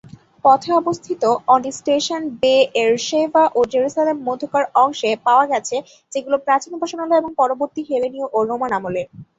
পথে অবস্থিত অনেক স্টেশন বে-এরশেভা ও জেরুসালেম মধ্যকার অংশে পাওয়া গেছে যেগুলো প্রাচীন উপাসনালয় এবং পরবর্তী হেলেনীয় ও রোমান আমলের।